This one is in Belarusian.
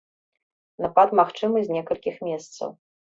Напад магчымы з некалькіх месцаў.